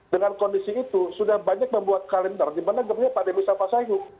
dengan kondisi itu sudah banyak membuat kalender dimana kebetulan pandemi sama pak sayyidud